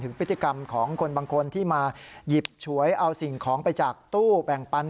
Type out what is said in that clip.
พฤติกรรมของคนบางคนที่มาหยิบฉวยเอาสิ่งของไปจากตู้แบ่งปัน